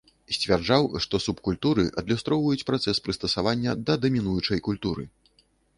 Сцвярджаў, што субкультуры адлюстроўваюць працэс прыстасавання да дамінуючай культуры.